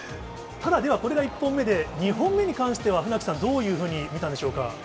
ただ、ではこれが１本目で２本目に関しては船木さん、どういうふうに見たんでしょうか。